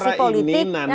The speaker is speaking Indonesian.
saya bicara ini nanakannya